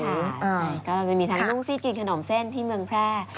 ก็จะมีทั้งนุ่งสิ้นกินขนอมเส้นที่เมืองแพร่